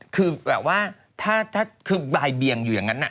คือแบบว่าถ้าคือบ่ายเบียงอยู่อย่างนั้น